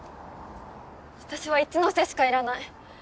私は一ノ瀬しかいらない。